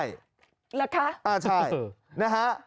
เหรอคะอ่าใช่นะฮะ